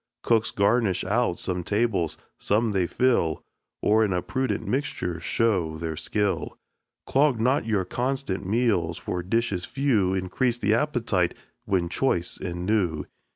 Cooks garnish out some tables, some they fill, Or in a prudent mixture show their skill. Clog not your constant meals; for dishes few Increase the appetite when choice and new.